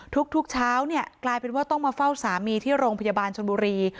ทุกเช้าเนี่ยกลายเป็นว่าต้องมาเฝ้าสามีที่โรงพยาบาลชนบุรี